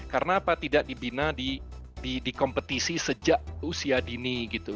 karena apa tidak dibina di kompetisi sejak usia dini gitu